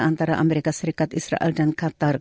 antara amerika serikat israel dan qatar